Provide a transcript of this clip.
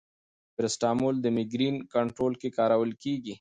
پاراسټامول د مېګرین کنټرول کې کارول کېږي.